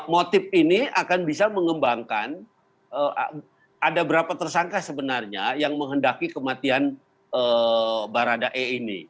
motif ini akan bisa mengembangkan ada berapa tersangka sebenarnya yang menghendaki kematian baradae ini